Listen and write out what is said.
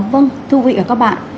vâng thưa quý vị và các bạn